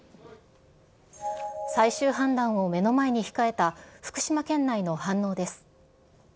最終判断を目の前に控えた福島県内の反応です。